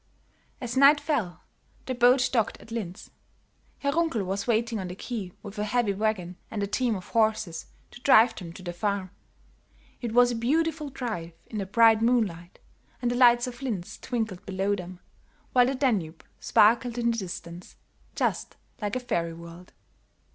As night fell, the boat docked at Linz. Herr Runkel was waiting on the quay with a heavy wagon and a team of horses to drive them to the farm. It was a beautiful drive in the bright moonlight, and the lights of Linz twinkled below them, while the Danube sparkled in the distance, just like a fairy world.